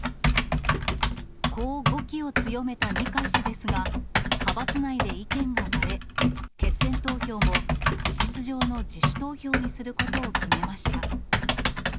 こう語気を強めた二階氏ですが、派閥内で意見が割れ、決選投票も事実上の自主投票にすることを決めました。